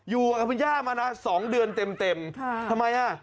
อยู่กับคุณย่ามานะ๒เดือนเต็มทำไมอ่ะ